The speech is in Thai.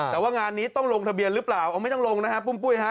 แต่ว่างานนี้ต้องลงทะเบียนหรือเปล่าเอาไม่ต้องลงนะฮะปุ้มปุ้ยฮะ